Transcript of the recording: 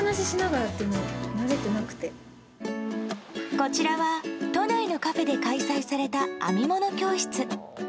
こちらは都内のカフェで開催された編み物教室。